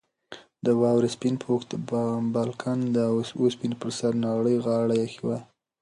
د واورې سپین پوښ د بالکن د اوسپنې پر سر نرۍ غاړه ایښې وه.